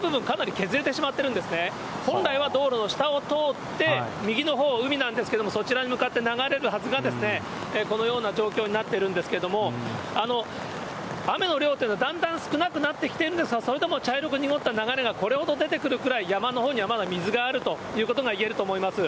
ただこの激しい流れで、路肩の部分、かなり削れてしまってるんですね、本来は道路の下を通って、右のほう、海なんですけど、そちらに向かって流れるはずが、このような状況になってるんですけれども、雨の量というのは、だんだん少なくなってきているんですが、それでも茶色く濁った流れがこれほど出てくるくらい、山のほうにはまだ水があるということがいえると思います。